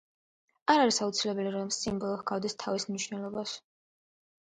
არ არის აუცილებელი, რომ სიმბოლო ჰგავდეს თავის მნიშვნელობას.